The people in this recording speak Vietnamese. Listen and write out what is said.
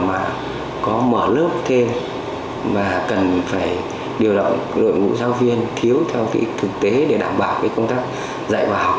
mà có mở lớp thêm và cần phải điều động đội ngũ giáo viên thiếu theo kỹ thực tế để đảm bảo cái công tác dạy và học